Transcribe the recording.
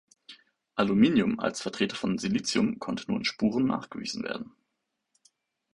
Aluminium als Vertreter von Silicium konnte nur in Spuren nachgewiesen werden.